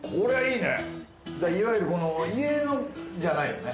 いわゆるこの家のじゃないですね。